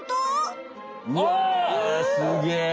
うわすげえ！